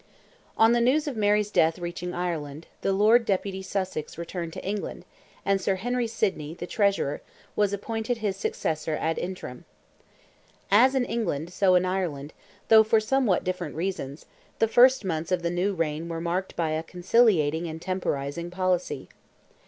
On the news of Mary's death reaching Ireland, the Lord Deputy Sussex returned to England, and Sir Henry Sidney, the Treasurer, was appointed his successor ad interim. As in England, so in Ireland, though for somewhat different reasons, the first months of the new reign were marked by a conciliating and temporizing policy.